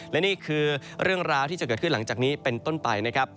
และนี่คือเรื่องราวที่จะเกิดขึ้นหลังจากนี้เป็นต้นไปนะครับ